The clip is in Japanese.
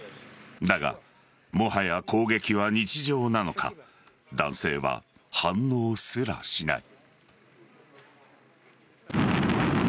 だが、もはや攻撃は日常なのか男性は、反応すらしない。